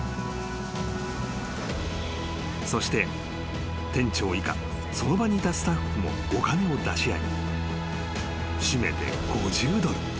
［そして店長以下その場にいたスタッフもお金を出し合い締めて５０ドル。